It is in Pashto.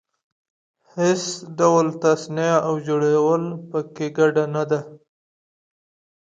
هېڅ ډول تصنع او جوړول په کې ګډه نه ده.